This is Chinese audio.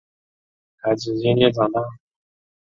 孩子渐渐长大